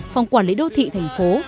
phòng quản lý đô thị thành phố